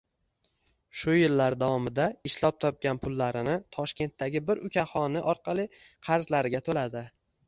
Shu yillar davomida ishlab topgan pullarini Toshkentdagi bir ukaxoni orqali qarzlariga to`ladi